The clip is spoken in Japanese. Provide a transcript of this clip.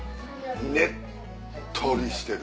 ねっとりしてる。